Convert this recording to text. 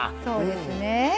そうですね。